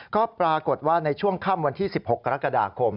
ก็ปรากฏว่าในช่วงค่ำวันที่๑๖กรกฎาคม